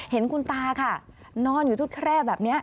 เห็นคุณตาค่ะนอนอยู่ที่แคร่แบบนี้